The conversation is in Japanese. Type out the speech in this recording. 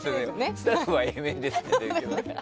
スタッフはＡ面ですけどね。